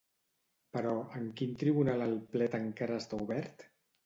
Però, en quin tribunal el plet encara està obert?